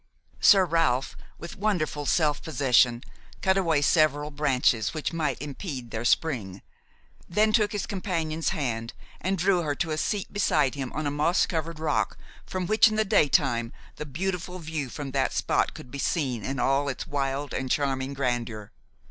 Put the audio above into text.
Sir Ralph, with wonderful self possession, cut away several branches which might impede their spring, then took his companion's hand and drew her to a seat beside him on a moss covered rock from which in the daytime the beautiful view from that spot could be seen in all its wild and charming grandeur.